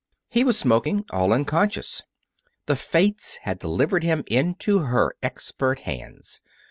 He was smoking, all unconscious. The Fates had delivered him into her expert hands.